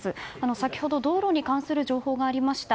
先ほど道路に関する情報がありました